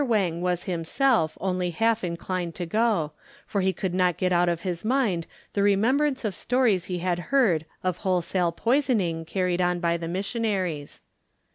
Wang was himself only half inclined to go, for he could not get out of his mind the remembrance of stories he had heard of wholesale poisoning carried on by the missionaries.